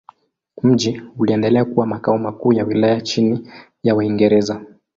Mji uliendelea kuwa makao makuu ya wilaya chini ya Waingereza.